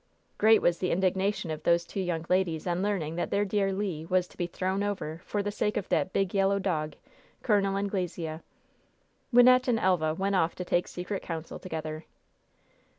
Great was the indignation of those two young ladies on learning that their dear Le was to be "thrown over" for the sake of that "big, yellow dog," Col. Anglesea. Wynnette and Elva went off to take secret counsel together.